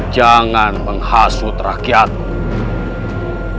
jangan menghasut rakyatmu